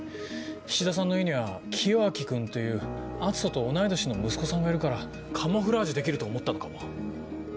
菱田さんの家には清明君っていう篤斗と同い年の息子さんがいるからカムフラージュできると思ったのかも。